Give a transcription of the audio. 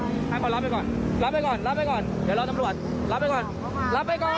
น้ำมะน้ำ